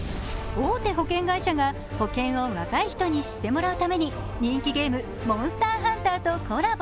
大手保険会社が保険を若い人に知ってもらうために人気ゲーム、「モンスターハンター」とコラボ。